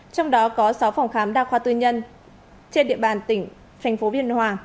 trong đó có sáu phòng khám đa khoa tư nhân trên địa bàn tỉnh tp biên hòa